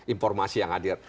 informasi yang hadir